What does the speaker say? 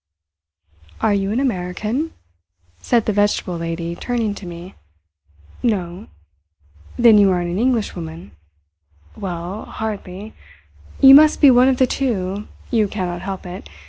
"Are you an American?" said the Vegetable Lady, turning to me. "No." "Then you are an Englishwoman?" "Well, hardly—" "You must be one of the two; you cannot help it.